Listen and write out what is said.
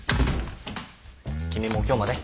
君も今日まで？